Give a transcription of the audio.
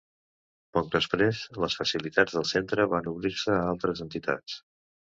Poc després, les facilitats del centre van obrir-se a altres entitats.